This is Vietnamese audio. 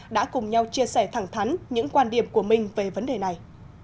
đã cùng nhau chia sẻ thẳng thắn những quan điểm của mình về vấn đề này